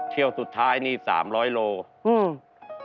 เที่ยวสุดท้ายนี่๓๐๐โลอืม